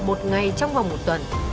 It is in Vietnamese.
một ngày trong vòng một tuần